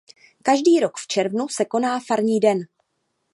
Každý rok v červnu se koná farní den.